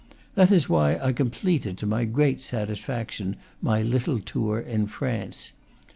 That is why I completed, to my great satisfaction, my little tour in France.